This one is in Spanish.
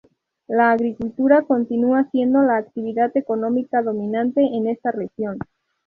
La agricultura continúa siendo la actividad económica dominante en esta región.